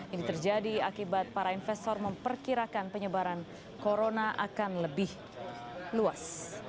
ini terjadi akibat para investor memperkirakan penyebaran corona akan lebih luas